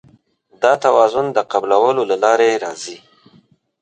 دا توازن د قبلولو له لارې راځي.